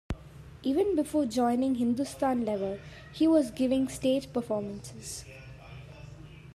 Even before joining Hindustan Lever, he was giving stage performances.